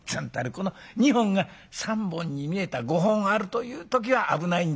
この２本が３本に見えた５本あるという時は危ないんで。